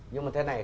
nhưng mà thế này